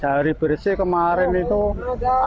sehari bersih kemarin itu ada yang dapat satu juta